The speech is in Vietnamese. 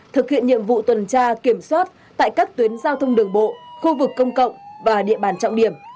thực hiện nhiệm vụ tuần tra kiểm soát tại các tuyến giao thông đường bộ khu vực công cộng và địa bàn trọng điểm